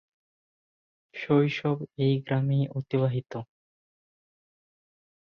শৈশব এই গ্রামেই অতিবাহিত।